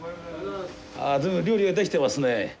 あ随分料理ができてますね。